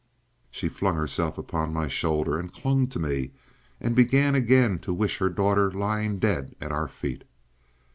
She flung herself upon my shoulder, and clung to me, and began again to wish her daughter lying dead at our feet.